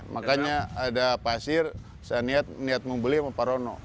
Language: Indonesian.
makanya ada pasir saya niat membeli sama pak sarono